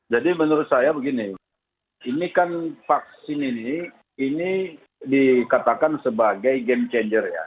jadi menurut saya begini ini kan vaksin ini dikatakan sebagai game changer ya